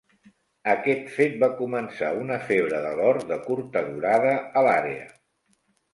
Aquest fet va començar una febre de l'or de curta durada a l'àrea.